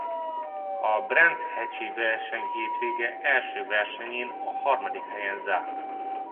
A brands hatchi versenyhétvége első versenyén a harmadik helyen zárt.